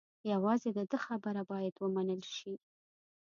یوازې د ده خبره باید و منل شي.